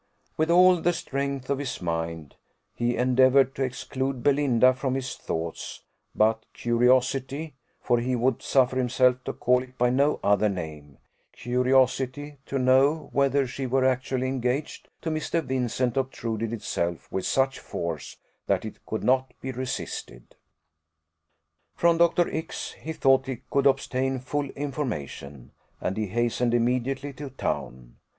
With all the strength of his mind, he endeavoured to exclude Belinda from his thoughts, but curiosity (for he would suffer himself to call it by no other name) curiosity to know whether she were actually engaged to Mr. Vincent obtruded itself with such force, that it could not be resisted. From Dr. X he thought he could obtain full information, and he hastened immediately to town.